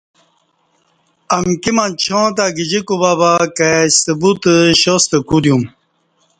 امکی منچاں تہ گجی کوبابا کائیستہ بوتہ شاستہ کودیوم